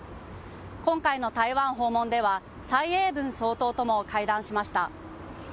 今回の台湾訪問では蔡英文総統とも会談しました。